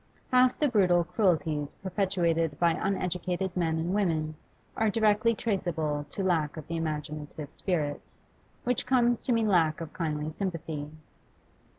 Half the brutal cruelties perpetrated by uneducated men and women are directly traceable to lack of the imaginative spirit, which comes to mean lack of kindly sympathy.